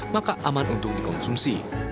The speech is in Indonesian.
maka aman untuk dikonsumsi